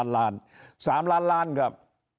๓ล้านล้านครับ